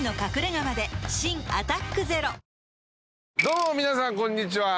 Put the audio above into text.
どうも皆さんこんにちは。